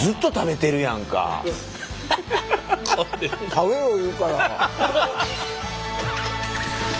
「食べろ」言うから。